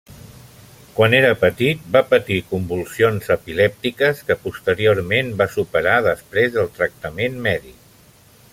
Quan era petit va patir convulsions epilèptiques, que posteriorment va superar després del tractament mèdic.